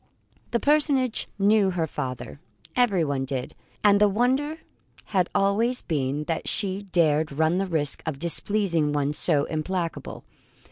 The personage knew her father everyone did and the wonder had always been that she dared run the risk of displeasing one so implacable.